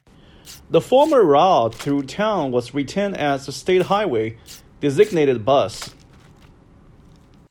The former route through town was retained as a state highway, designated Bus.